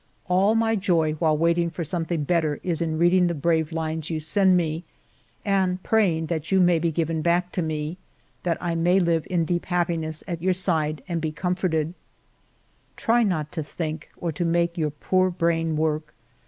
All my joy while waiting for something better is in reading the brave lines you send me, and praying that you may be given back to me, that I may live in deep happiness at your side and be com forted. ..." Try not to think, or to make your poor brain work.